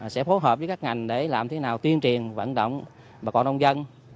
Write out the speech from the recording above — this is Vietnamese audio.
sẽ phối hợp với các ngành để làm thế nào tuyên truyền vận động bà con nông dân